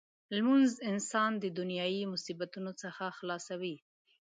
لمونځ انسان د دنیايي مصیبتونو څخه خلاصوي.